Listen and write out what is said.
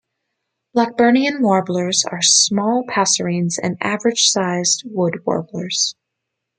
Blackburnian warblers are small passerines and average-sized wood-warblers.